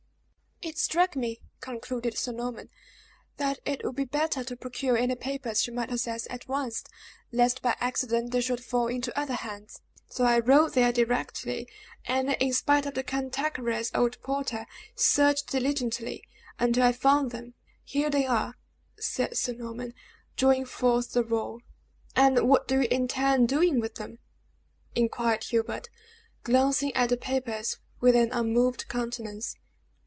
"It struck me," concluded Sir Norman, "that it would be better to procure any papers she might possess at once, lest, by accident, they should fall into other hands; so I rode there directly, and, in spite of the cantankerous old porter, searched diligently, until I found them. Here they are," said Sir Norman, drawing forth the roll. "And what do you intend doing with them?" inquired Hubert, glancing at the papers with an unmoved countenance.